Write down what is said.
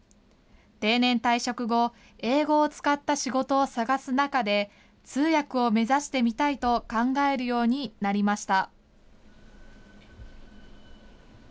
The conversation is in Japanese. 定年退職後、英語を使った仕事を探す中で、通訳を目指してみたいと考えるようになりました。